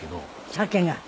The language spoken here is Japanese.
鮭が？